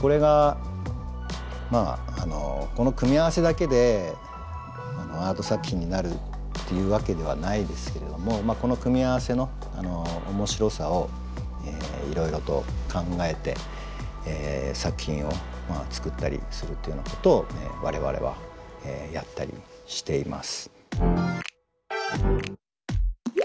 これがまあこの組み合わせだけでアート作品になるっていうわけではないですけれどもこの組み合わせの面白さをいろいろと考えて作品を作ったりするというようなことを我々はやったりしています。